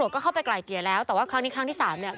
ก็เข้าไปไกลเกลี่ยแล้วแต่ว่าครั้งนี้ครั้งที่๓เนี่ย